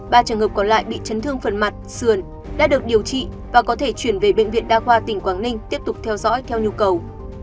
ba trường hợp còn lại bị chấn thương phần mặt sườn đã được điều trị và có thể chuyển về bệnh viện đa khoa tỉnh quảng ninh tiếp tục theo dõi theo nhu cầu